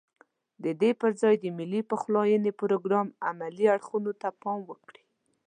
ددې پرځای د ملي پخلاينې پروګرام عملي اړخونو ته پام وکړي.